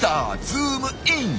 ズームイン！